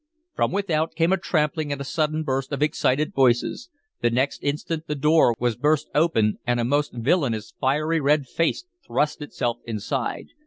From without came a trampling and a sudden burst of excited voices. The next instant the door was burst open, and a most villainous, fiery red face thrust itself inside.